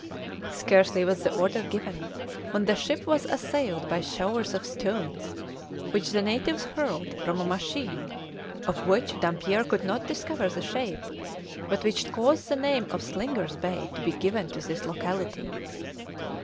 Scarcely was the order given, when the ship was assailed by showers of stones, which the natives hurled from a machine of which Dampier could not discover the shape, but which caused the name of Slingers' Bay to be given to this locality.